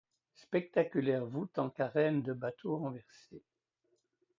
Spectaculaire voûte en carène de bateau renversée.